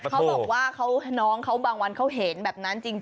เขาบอกว่าน้องเขาบางวันเขาเห็นแบบนั้นจริง